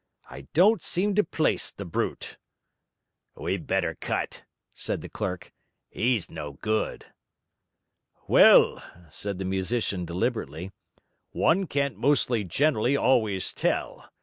'I don't seem to place the brute.' 'We'd better cut,' said the clerk. ''E's no good.' 'Well,' said the musician deliberately, 'one can't most generally always tell.